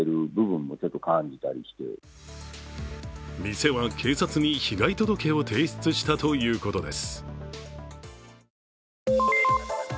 店は警察に被害届を提出したということです。